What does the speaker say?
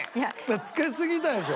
つけすぎたでしょ？